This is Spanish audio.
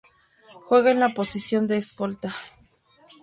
Juega en la posición de escolta.